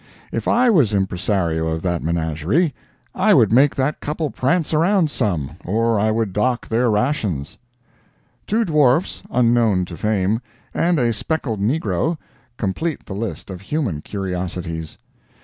If I was impressario of that menagerie, I would make that couple prance around some, or I would dock their rations. Two dwarfs, unknown to fame, and a speckled negro, complete the list of human curiosities.